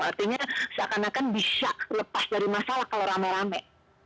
artinya seakan akan bisa lepas dari masalah kalau rame rame